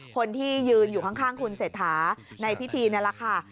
คนที่ยืนอยู่ข้างคุณเศรษฐาในพิธีนี่แหละค่ะ